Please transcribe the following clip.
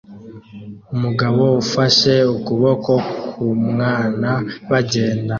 Umugabo ufashe ukuboko k'umwana bagenda